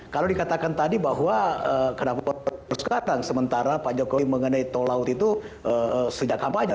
kalau dikatakan tadi bahwa kenapa sekarang sementara pak jokowi mengenai tol laut itu sejak kampanye